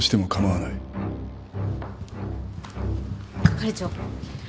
係長。